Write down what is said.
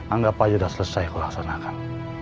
anggap aja udah selesai kurang senang kan